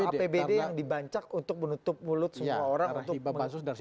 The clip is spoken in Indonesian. uang apbd yang dibancak untuk menutup mulut semua orang untuk mengelanjakan dinasti